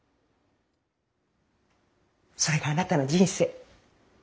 それがあなたの人生。